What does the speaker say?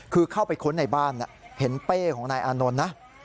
คือเข้าไปค้นในบ้านเห็นเป้ของนายอานนท์นะ